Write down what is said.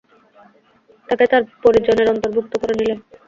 তাকে তার পরিজনের অন্তর্ভূক্ত করে নিলেন।